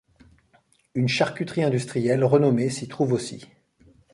Une charcuterie industrielle renommée s'y trouve aussi.